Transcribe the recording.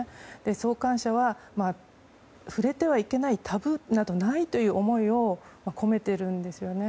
創刊者は触れてはいけないタブーなどないという思いを込めているんですよね。